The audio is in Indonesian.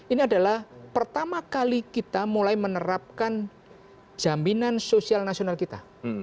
ini adalah pertama kali kita mulai menerapkan jaminan sosial nasional kita